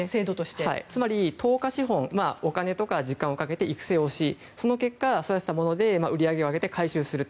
つまり、投下資本お金とか時間をかけて育成をしてその結果、育てたもので売り上げを上げて回収する。